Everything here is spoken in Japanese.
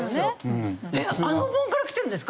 えっあのお盆からきてるんですか！？